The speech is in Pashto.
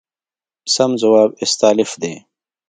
سم ځواب استالف دی.